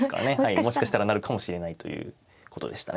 もしかしたらなるかもしれないということでしたね。